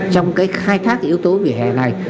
trong cái khai thác yếu tố vỉa hè này